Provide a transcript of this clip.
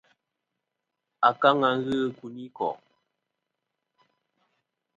Akaŋa ghɨ i kuyniko'.